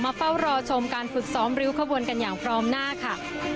เฝ้ารอชมการฝึกซ้อมริ้วขบวนกันอย่างพร้อมหน้าค่ะ